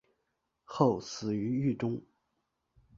后死于狱中。